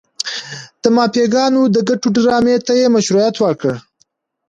د مافیاګانو د ګټو ډرامې ته یې مشروعیت ورکړ.